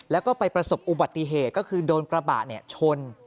แล้วก็ไปประสบอุบัติเหตุก็คือโดนกระบะชน